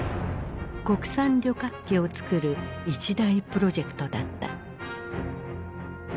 国産旅客機をつくる一大プロジェクトだった。